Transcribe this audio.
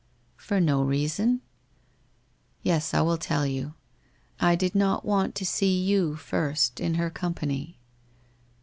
' For no reason. Yes, I will tell you. I did not want to B66 you fir. t, in her company.'